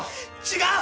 違う！